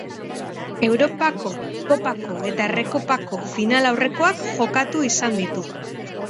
Europako Kopako eta Errekopako final aurrekoak jokatu izan ditu.